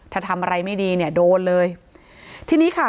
ถ้าทำอะไรไม่ดีเนี่ยโดนเลยทีนี้ค่ะ